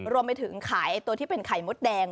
รวมไปถึงขายตัวที่เป็นไข่มดแดง